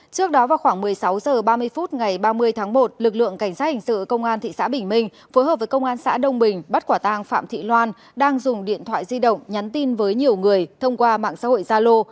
trước đó vào khoảng một mươi sáu h ba mươi phút ngày ba mươi tháng một lực lượng cảnh sát hình sự công an thị xã bình minh phối hợp với công an xã đông bình bắt quả tàng phạm thị loan đang dùng điện thoại di động nhắn tin với nhiều người thông qua mạng xã hội gia lô